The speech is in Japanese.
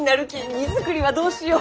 荷造りはどうしよう？